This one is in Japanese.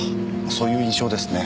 そういう印象ですね。